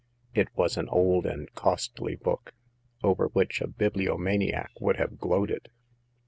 It was an old and costly book, over which a bibliomaniac would have gloated.